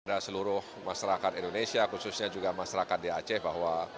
kepada seluruh masyarakat indonesia khususnya juga masyarakat di aceh bahwa